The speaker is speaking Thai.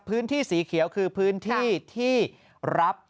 พื้นที่สีเขียวคือพื้นที่ที่รับ